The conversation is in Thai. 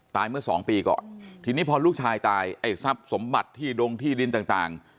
เมื่อสองปีก่อนทีนี้พอลูกชายตายไอ้ทรัพย์สมบัติที่ดงที่ดินต่าง